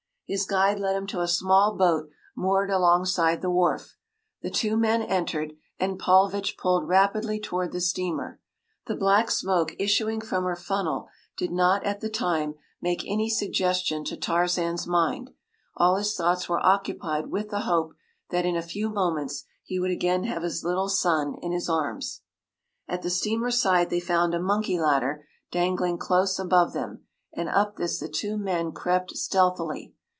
His guide led him to a small boat moored alongside the wharf. The two men entered, and Paulvitch pulled rapidly toward the steamer. The black smoke issuing from her funnel did not at the time make any suggestion to Tarzan’s mind. All his thoughts were occupied with the hope that in a few moments he would again have his little son in his arms. At the steamer’s side they found a monkey ladder dangling close above them, and up this the two men crept stealthily.